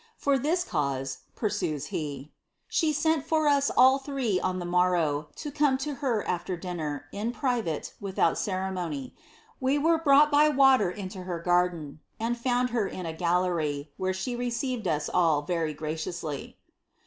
For this cause," pursues he, ^ she sent for us all three on the morrow, to come to her after dinner, in private, without ceremony. We were brought by water into her garden, and found her in a gallery, where she received us ill very graciously."